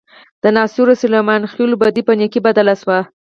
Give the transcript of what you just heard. د ناصرو او سلیمان خېلو بدۍ په نیکۍ بدله شوه.